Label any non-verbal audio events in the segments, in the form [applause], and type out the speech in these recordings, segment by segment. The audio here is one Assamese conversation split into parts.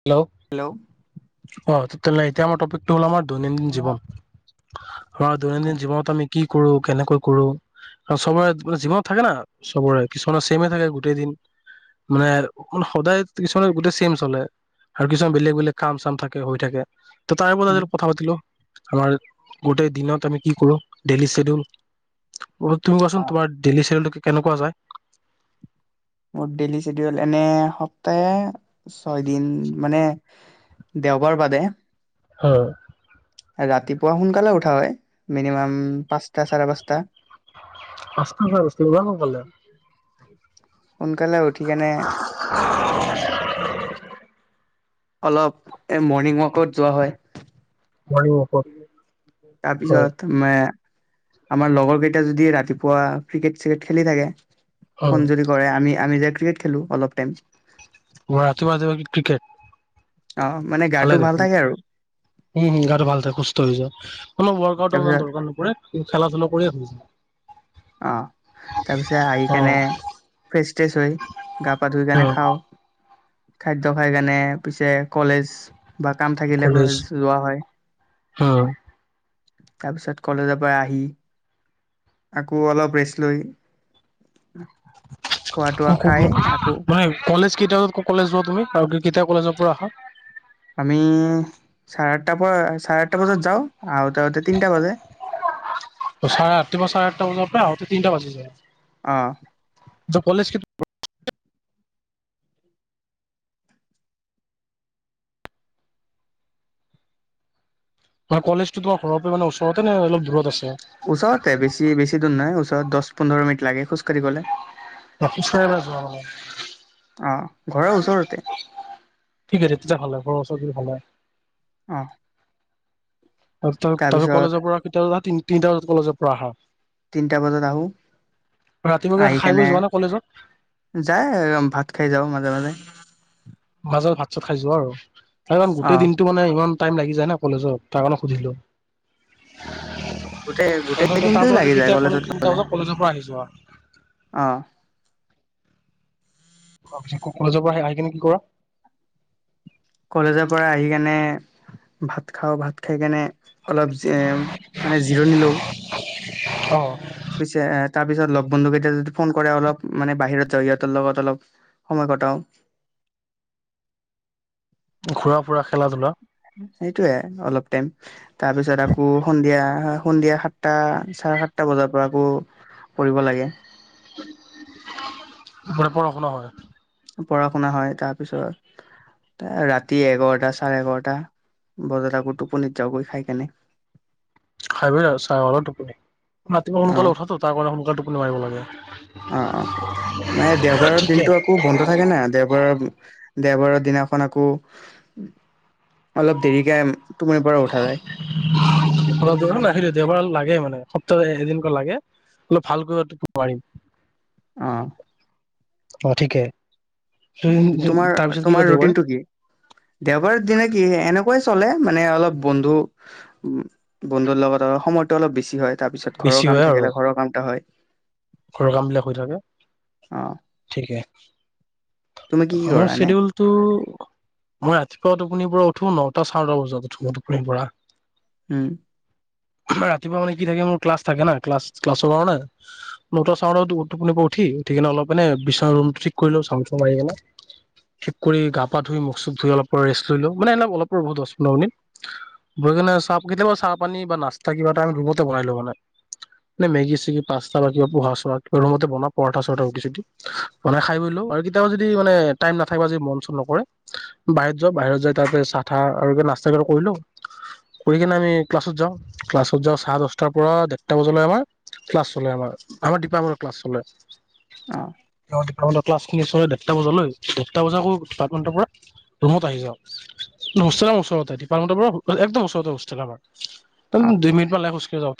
হেল্ল' ক'ত? তে এতিয়া মোৰ টপিকটো ওলাম আৰ দৈনন্দিন জীৱন। হয়, দৈনন্দিন জীৱনত আমি কি কৰোঁ? কেনেকৈ কৰোঁ আৰু চবৰে মানে জীৱনত থাকে না চবৰে কিছুমানৰ চেমে থাকে গোটেই দিন মানে সদায় কিছুমানে গোটেই চেম চলে। আৰু কিছুমান বেলেগ বেলেগ কাম চাম থাকে হৈ থাকে। ত তাই বতাই কথা পাতিলোঁ। আমাৰ গোটেই দিনত আমি কি কৰোঁ, ডেইলী শ্বেডিউল তুমি কোৱাচোন তোমাৰ ডেইলি চেডিউলটো কেনেকুৱা যায়? মোৰ ডেইলি চেডিউল এনে সপ্তাহে ছয় দিন মানে দেওবাৰ বাদে হয়। ৰাতিপুৱা সোনকালে উঠা হয়। মিনিমাম পাঁচটা, চাৰে পাঁচটা। [unintelligible] ক'লে [inaudible] সোনকালে উঠি কেনে অলপ, এ, মৰ্ণিং ৱাকত যোৱা হয়। মৰ্ণিং ৱাকত হয় তাৰপিছত, মে আমাৰ লগৰ কেইটা যদি ৰাতিপুৱা ক্ৰিকেট-সৃকেট খেলি থাকে ফোন হয় যদি কৰে, আমি, আমি যাই ক্ৰিকেট খেলোঁ অলপ টাইম। ওৱা, ৰাতিপুৱা উঠি তুমি অ মানে ক্ৰিকেট গাটো ভালে ভাল দেখোন। থাকে আৰু উম, গাটো ভাল থাকে, সুস্থ হৈ যায়। কোনো ৱৰ্কআউটৰ তাৰপিছত ইমান দৰকাৰ নপৰে। খেলা- চেলা কৰিয়েই হৈ যায়। অ', তাৰপিছত আহি কেনে অ'। ফ্ৰেছ টেচ হৈ, গা-পা ধুই কেনে উম, খাওঁ খাদ্য খাই কেনে, পিছে কলেজ বা কাম থাকিলে কলেজ [unintelligible] যোৱা হয়। তাৰপিছত কলেজৰ পৰা আহি আকৌ অলপ ৰেষ্ট লৈ খোৱা [unintelligible] তোৱা খাই আকৌ কলেজ কেইটামানত কলেজ যোৱা তুমি আৰু কে-কেতিয়া কলেজৰ পৰা আহা? আমি চাৰে আঠটাৰ পৰা চাৰে আঠটা বজাত যাও, আহোতে আহোতে তিনটা বাজে। চাৰে ৰাতিপুৱা চাৰে আঠটা বজাৰ পৰা আহোতে তিনিটা বাজি যাই। আহ। যো কলেজ [unintelligible] অ কলেজতো তোমাৰ ঘৰ পৰা মানে ওচৰতে নে অলপ দূৰত আছে? ওচৰতে বেছি-বেছি দূৰ নাই, ওচৰত দহ পোন্ধৰ মিনিট লাগে খোজ কাঢ়ি গ'লে। অ খোজ কাঢ়ি পেলাই যোৱা কলেজ। অ ঘৰৰ ওচৰতে ঠিক আছে তেতিয়া ভাল হয় ঘৰৰ ওচৰ হলে ভাল হয়। আহ আৰু তাৰ-তাৰপিছত কলেজৰ পৰা কেতিয়া উলা, তি-তিনিটা বজাত কলেজৰ পৰা আহা। তিনটা বজাত আহো, ৰাতিপুৱাকে আহি খাই বৈ কেনে যোৱা নে কলেজত? যায় ভাত খাই যাওঁ মাজে মাজে। মাজত ভাত-চাত খাই যোৱা আৰু। সেইকাৰণ অ গোটেই দিনটো মানে ইমান টাইম লাগি যায় না কলেজত, তাৰ কাৰণে সুধিলো। গোটেই গোটেই তাৰ দিনটোয়ে পৰা লাগি যায় কেতিয়া কলেজ কলেজত তিনিটা গলে, বজাত কলেজৰ পৰা আহি যোৱা আহ [unintelligible] কলেজৰ পৰা আহি কেনে কি কৰা? কলেজৰ পৰা আহি কেনে ভাত খাওঁ, ভাত খাই কেনে অলপ যে উম মানে জিৰণি লওঁ। অ পিছে তাৰ পিছত লগ বন্ধু কেইটাই যদি ফোন কৰে অলপ মানে বাহিৰত যাওঁ সিহঁতৰ লগত অলপ সময় কটাও। ঘুৰা-ফুৰা, খেলা-ধূলা সেইটোয়ে, অলপ টাইম। তাৰ পিছত আকৌ সন্ধিয়া সন্ধিয়া সাতটা চাৰে সাতটা বজাৰ পৰা আকৌ পঢ়িব লাগে। [unintelligible] পঢ়া শুনা হয়। পঢ়া শুনা হয় তাৰ পিছত এ ৰাতি এঘাৰটা চাৰে এঘাৰটা বজাত আকৌ টোপনিত যাওঁগৈ খাই কেনে। খাই লৈ আৰু চাৰে এঘাৰটাত টোপনি। ৰাতিপুৱা অ সোনকালে উঠাতো তাৰ কাৰণে সোনকালে টোপনি মাৰিব লাগে অ অ ম দেওবাৰৰ ঠিকে দিনতটো আকৌ বন্ধ থাকে না, দেওবাৰৰ দেওবাৰৰ দিনাখন আকৌ অলপ দেৰিকে টোপনিৰ পৰা অ দে উঠা যায় [unintelligible] দেওবাৰ লাগে মানে, সপ্তাহত এদিনকৈ লাগে, অলপ ভালকৈ টোপনি মাৰিম। অ অ' ঠিকে। তোমাৰ তাৰপিছত কি কয় তোমাৰ দেওবাৰে ৰুটিনটো কি? দেওবাৰৰ দিনা কি এনে কৈয়ে চলে, মানে অলপ বন্ধু-বন্ধুৰ লগত অল সময়টো অলপ বেছি হয়। তাৰ পিছত বেছি ঘৰৰ কাম হয় আৰু থাকিলে ঘৰৰ কামটা হয়। ঘৰৰ কাম বিলাক হৈ থাকে। অ ঠিকে, তুমি কি কি কৰা মোৰ এনে শেডিউলটো মই ৰাতিপুৱা টোপনিৰ পৰা উঠো নটা চাৰটা বজাত উঠো টোপনিৰ পৰা। উম। ৰাতিপুৱা মানে কি থাকে, মোৰ ক্লাছ থাকে না ক্লাছ ক্লাছৰ কাৰণে। নটা চাউডটো টোপনিৰ পৰা উঠি, উঠি কিনে অলপ মানে বিচনা ৰুমটো ঠিক কৰি লওঁ, ঝাৰু-চাৰু মাৰি কিনে। ঠিক কৰি গা-পা ধুই, মুখ-চুখ ধুই অলপ ৰেষ্ট লৈ লওঁ। মানে এনে অলপ পৰ দহ পোন্ধৰ মিনিট বহি কিনে চাহ কেতিয়াবা চাহ পানী বা নাস্তা কিবা এটা ৰুমতে বনাই লওঁ। মানে মেগী-চেগী পাষ্টা বা কিবা। বোহা-চহা কিবা ৰুমতে বনাওঁ পৰঠা-চৰঠা ৰুটি-চুটি বনাই খাই বৈ লওঁ, আৰু কেতিয়াবা যদি মানে টাইম নাথাকে বা যদি মন-চন নকৰে বাহিৰত যাওঁ বাহিৰত যাই তাৰপা চাহ-তাহ, আৰু কিবা নাস্তা কিবা এটা কৰি লওঁ, কৰি কিনে আমি ক্লাছত যাওঁ ক্লাছত যাওঁ চাৰে-দহটাৰ পৰা ডেৰটা বজালৈ আমাৰ ক্লাছ চলে আমাৰ। আমাৰ ডিপাৰমেন্তৰ ক্লাছ চলে। অ অ'। ক্লাছখিনি চলে ডেৰটা বজালৈ ডেৰটা বজাকো ডিপাৰ্টেণ্টৰ পৰা ৰুমত আহি যাওঁ। ক হোষ্টেলৰ ওচৰতে ডিপাৰ্টেণ্টৰ পৰা একদম ওচৰতে হোষ্টেল আমাৰ। অ দুই মিনিট মান লাগে খোজকাঢ়ি যাওঁ।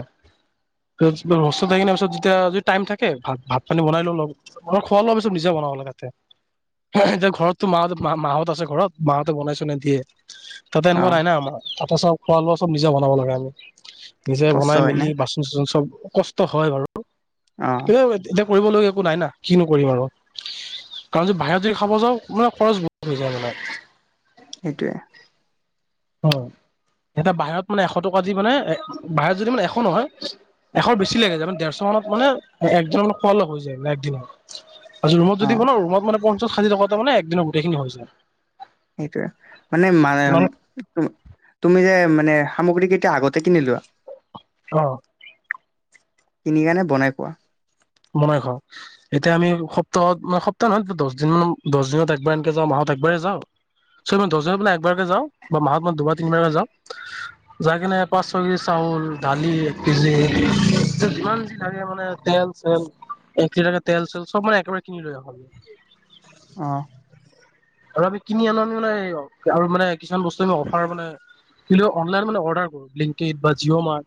[unintelligible] হোষ্টেলত থাকি কিনে পিছত যেতিয়া যদি টাইম থাকে, ভাত ভাত-পানী বনাই লওঁ অলপ। আমাৰ খোৱা লোৱাবোৰ চব নিজে বনাব লাগে। তাতে এতিয়া ঘৰতো মাহঁ মাহঁত আছে ঘৰত মাহঁতে বনাই। নিদিয়ে তাতে অ মই নাই না' তাতে [unintelligible] খোৱা লোৱা চব নিজে বনাব লাগে আমি। নিজে কষ্ট বনাই হয় না মেলি বাচন চাচন চব কষ্ট হয় বাৰু। অ এতিয়া কৰিব লগিয়া একো নাই না কি নকৰিম আৰু কাৰণ যদি বাহিৰত যদি খাব যাওঁ মানে খৰচ বহুত হৈ যায় মানে। এইটোৱে। অ' এতিয়া বাহিৰত মানে এশ টকা দি মানে বাহিৰত যদি মানে এশ নহয় এশ বেছি লাগি যায় মানে ডেৰশ মানত মানে একজন মান খোৱা অলপ হৈ যায় ম একদ। ৰুমত য [inaudible] অ দিব ন ৰুম মানে ৰুমত সাজি থকা মানে দিনৰ গোটেইখিনি হৈ যায়। সেইটোয় মানে তুমি যে মানে সামগ্ৰীকেইটা আগতে কিনি লোৱা অঁ। কিনি আনি বনাই খোৱা। বনাই খাওঁ, এতিয়া আমি সপ্তাহত মানে সপ্তাহ নহয় দহ দিন মান দহ দিনত একবাৰ এনেকে যাওঁ মাহত একবাৰ যাওঁ ছ ম দহ দিন মানে একবাৰকে যাওঁ বা মাহত মানে দুবাৰ তিনিবাৰকে যাওঁ যাই কিনে পাঁচ ছয় কেজি চাউল দালি এক কেজি যিমান মানে তেল এক লিটাৰ তেল- চল চব মানে একেবাৰে কিনি লোৱা হয়। অঁ। আৰু আমি কিনি আনো আমি মানে আৰু মানে কিছুমান বস্তু অফাৰ মানে কি অনলাইন মানে অগণ বা জিঅ' মাৰ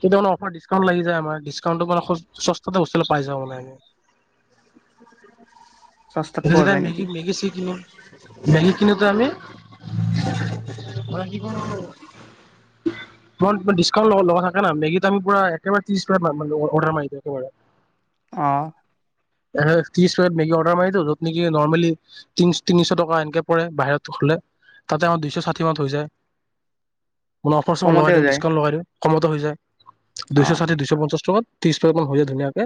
কেইটামানে অফাৰিকাউণ্ট লাগি যায় আমাৰ ডিকাউণ্টটো মানে তাতে বস্তলৈ পাই যা মানে [inaudible] সস্তাত এইটো পোৱা সদায় যায় নেকি মেগি মেগি চেগি কিনে মেগি কিনোতে আমি [unintelligible] ডিছকাউণ্ট ল লগি থাকে না মেগিত আমি পোৰা একেবাৰে ত্ৰিশ পাকেট মান অৰ্ডাৰ মাৰি দিওঁ। একেবাৰে অ'। [unintelligible] প্লেট মেগী অৰ্ডাৰ মাৰি দিওঁ। যত নেকি নৰ্মেলি তিনিশ টকা এনেকে পৰে বাহিৰত খালে। তাতে আমাৰ দুইশ ষাঠি মানত হৈ যায়। মানে অফাৰ-চফাৰ লগাই কমতে দিওঁ, যায় ডিছকাউণ্ট লগাই দিওঁ। কমতে হৈ যায়, অ দুইশ ষাঠি, দুইশ পঞ্চাশ টকাত ত্ৰিছ [unintelligible] হৈ যায় ধুনীয়াকে,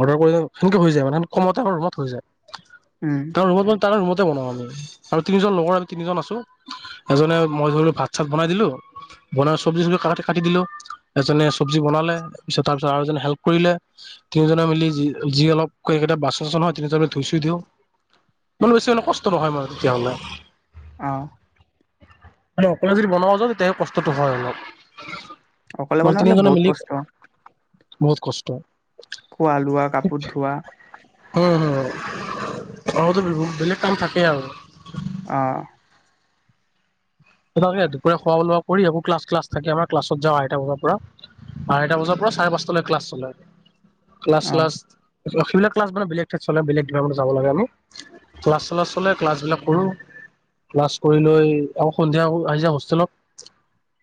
অৰ্ডাৰ কৰিলে সেনেকে হৈ যায়, মানে কমতে আৰামত হৈ যায়। উম তাৰ ৰুমত মানে, তাৰ ৰুমত জে বনাওঁ আমি, আৰু তিনিজন লগৰ আমি তিনিজন আছোঁ, এজনে, মই ধৰি ল ভাত চাত বনাই দিলোঁ, বনাই চব্জি তবজি কা কাটি দিলো, এজনে চব্জি বনালে, পিছত তাৰ পিছত আৰু এজনে হেল্প কৰিলে, তিনিজনে মিলি যি যি অলপ কেইটা বাচন চাচন হয়, তিনিজনে ধুই চুই দিওঁ, মানে বেছি মানে কষ্ট নহয় মা তেতিয়াহলে। অ' মানে অকলে যদি বনোৱা যায়, তেতিয়াহে কষ্টটো হয় অলপ। অকলে মানে বনালে তিনিজনে বহুত মিলি কষ্ট! বহুত কষ্ট! খোৱা, লোৱা, কাপোৰ ধোৱা উম, হু, হু, আৰুতো বেলেগ কাম থাকেই আৰু অ' সে তাকে, দুপৰীয়া খোৱা লোৱা কৰি আকৌ ক্লাছ, ক্লাছ থাকে আমাৰ, ক্লাছত যাওঁ আঢ়াইটা বজাৰ পৰা, আঢ়াইটা বজাৰ পৰা চাৰে পাঁচটালৈ ক্লাছ চলে। ক্লাছ অ', চ্লাছ সেই, সেইবিলাক ক্লাছ মানে বেলেগ ঠাইত চলে, বেলেগ [unintelligible] যাব লাগে আমি। ক্লাছ চ্লাছ চলে, ক্লাছ বিলাক কৰোঁ, ক্লাছ কৰি লৈ সন্ধিয়া আহি যাওঁ হোষ্টেলত,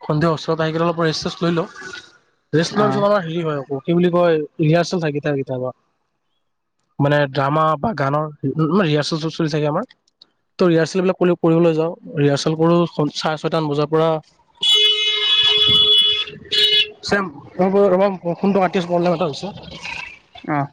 সন্ধিয়া হোষ্টেলত আহিকেনে অলপ ৰেষ্ট চেষ্ট লৈ লওঁ। ৰেষ্ট লোৱাৰ পিছত অ', মানে হেৰি হয় আকৌ। কি বুলি কয়, ৰিহাৰ্চেল থাকে [unintelligible] মানে ড্ৰামা বা গানৰ, মানে ৰিহাৰ্চেল চব চলি থাকে আমাৰ, ত' ৰিহাৰ্চেল বিলাক কৰি কৰিবলৈ যাওঁ। ৰিহাৰ্চেল কৰোঁ সন চাৰে ছটামান বজাৰ পৰা, চেম [unintelligible] আহ।